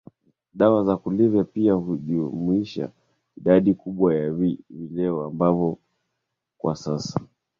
Dawa za kulevya pia hujumuisha idadi kubwa ya vileo ambavyo kwa sasa